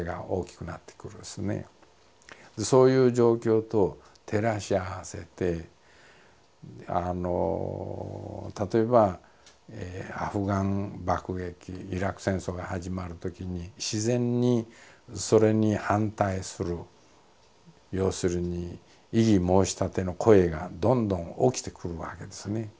そういう状況と照らし合わせて例えばアフガン爆撃イラク戦争が始まるときに自然にそれに反対する要するに異議申し立ての声がどんどん起きてくるわけですね。